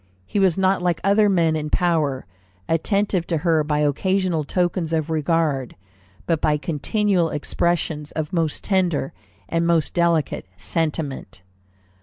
He was not like other men in power, attentive to her by occasional tokens of regard, but by continual expressions of most tender and most delicate sentiment."